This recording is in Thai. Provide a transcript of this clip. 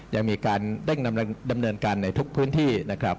ยังมีการเร่งดำเนินการในทุกพื้นที่นะครับ